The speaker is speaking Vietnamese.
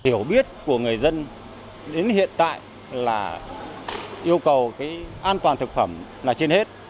hiểu biết của người dân đến hiện tại là yêu cầu cái an toàn thực phẩm là trên hết